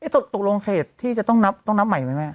ตกลงเขตที่จะต้องนับต้องนับใหม่ไหมแม่